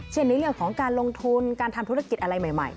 ในเรื่องของการลงทุนการทำธุรกิจอะไรใหม่